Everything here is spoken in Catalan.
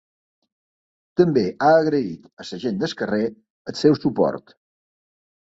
També ha agraït a la ‘gent del carrer’ el seu suport.